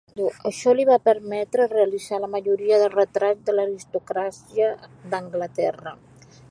Això li va permetre realitzar la majoria de retrats de l'aristocràcia d'Anglaterra.